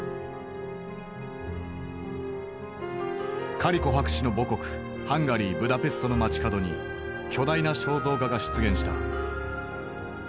カリコ博士の母国ハンガリーブダペストの街角に巨大な肖像画が出現した。